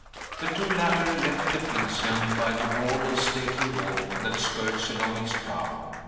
The two latter left the Pincian by the broad and stately walk that skirts along its brow.